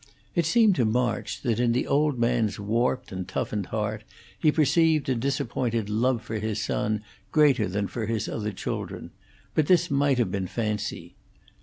It seemed to March that in the old man's warped and toughened heart he perceived a disappointed love for his son greater than for his other children; but this might have been fancy.